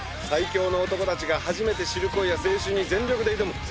最強の漢たちが初めて知る恋や青春に全力で挑む